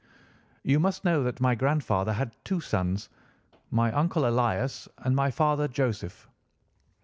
"You must know that my grandfather had two sons—my uncle Elias and my father Joseph.